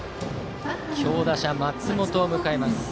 強打者・松本を迎えます。